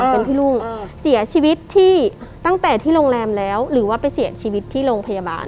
เป็นพี่รุ่งเสียชีวิตที่ตั้งแต่ที่โรงแรมแล้วหรือว่าไปเสียชีวิตที่โรงพยาบาล